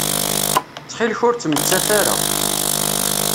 Ttxil-k ur ttmettat ara.